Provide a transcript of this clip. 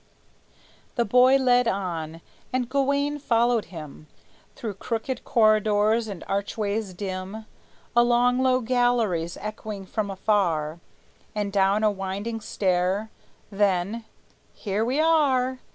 The boy led on, and Gawayne followed him Through crooked corridors and archways dim, Along low galleries echoing from afar, And down a winding stair; then "Here we are!"